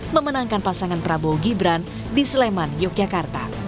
memenangkan pasangan prabowo gibran di sleman yogyakarta